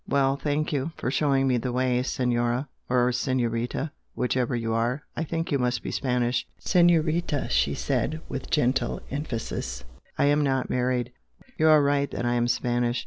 "Well, thank you for showing me the way, Senora or Senorita, whichever you are I think you must be Spanish " "Senorita" she said, with gentle emphasis "I am not married. You are right that I am Spanish."